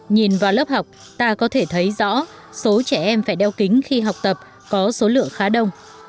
nhìn vào lớp học ta có thể thấy rõ số trẻ em phải đeo kính khi học tập có số lượng khá đông